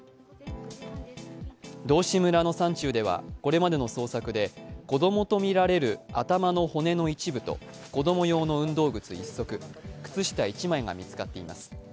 道志村の山中では、これまでの捜索で、子供とみられる頭の骨の一部と子供用の運動靴１足、靴下１枚が見つかっています。